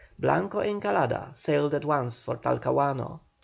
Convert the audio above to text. Blanco Encalada sailed at once for Talcahuano.